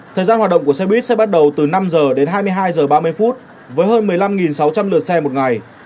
thời gian hoạt động của xe buýt sẽ bắt đầu từ năm h đến hai mươi hai h ba mươi với hơn một mươi năm sáu trăm linh lượt xe một ngày